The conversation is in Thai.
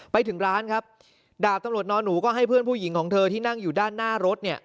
ไปถึงร้านครับดาบตำรวจนอนหนูก็ให้เพื่อนผู้หญิงของเธอที่นั่งอยู่ด้านหน้ารถเนี่ย